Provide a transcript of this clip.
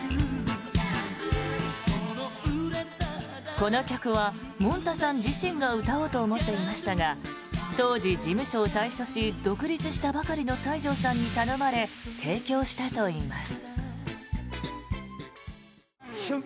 この曲は、もんたさん自身が歌おうと思っていましたが当時、事務所を退所し独立したばかりの西城さんに頼まれ提供したといいます。